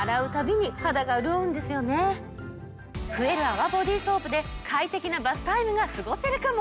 増える泡ボディソープで快適なバスタイムが過ごせるかも！